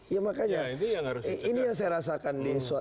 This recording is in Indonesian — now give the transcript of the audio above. ya makanya ini yang saya rasakan di